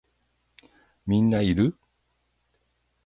みんないる